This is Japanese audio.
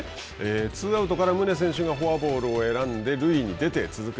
ツーアウトから宗選手がフォアボールを選んで塁に出て続く